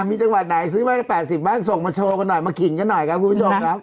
มีจังหวัดไหนซื้อบ้านได้๘๐บ้านส่งมาโชว์กันหน่อยมาขิงกันหน่อยครับคุณผู้ชมครับ